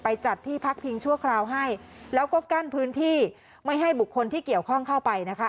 จัดที่พักพิงชั่วคราวให้แล้วก็กั้นพื้นที่ไม่ให้บุคคลที่เกี่ยวข้องเข้าไปนะคะ